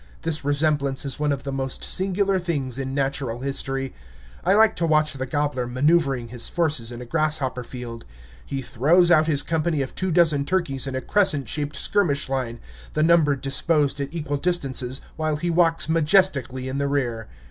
This resemblance is one of the most singular things in natural history. I like to watch the gobbler maneuvering his forces in a grasshopper field. He throws out his company of two dozen turkeys in a crescent shaped skirmish line, the number disposed at equal distances, while he walks majestically in the rear.